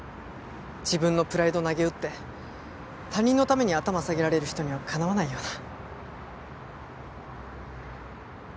自分のプライドなげうって他人のために頭下げられる人にはかなわないよな。